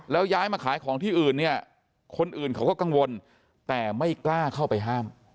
แล้วย้ายมาขายของที่อื่นเนี่ยคนอื่นเขาก็กังวลแต่ไม่กล้าเข้าไปห้าม